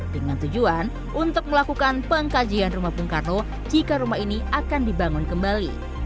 dengan tujuan untuk melakukan pengkajian rumah bung karno jika rumah ini akan dibangun kembali